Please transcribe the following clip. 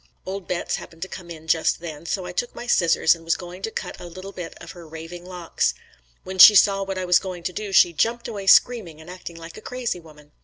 Old Betts happened to come in just then, so I took my scissors and was going to cut a little bit of her "raving locks." When she saw what I was going to do she jumped away screaming and acting like a crazy woman.